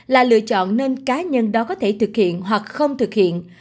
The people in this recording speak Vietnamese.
là lựa chọn nên cá nhân đó có thể thực hiện hoặc không thực hiện